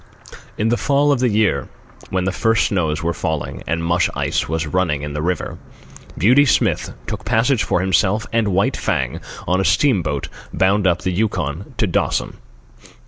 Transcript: In the fall of the year, when the first snows were falling and mush ice was running in the river, Beauty Smith took passage for himself and White Fang on a steamboat bound up the Yukon to Dawson.